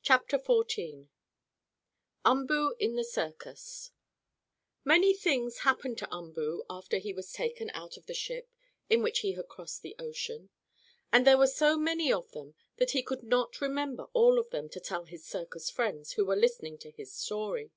CHAPTER XIV UMBOO IN THE CIRCUS Many things happened to Umboo after he was taken out of the ship in which he had crossed the ocean. And there were so many of them that he could not remember all of them to tell his circus friends who were listening to his story.